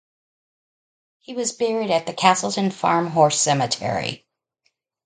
He was buried at the Castleton Farm horse cemetery.